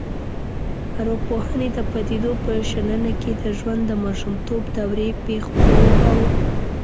ارواپوهنې د پديدو په شننه کې د ژوند د ماشومتوب دورې پیښو او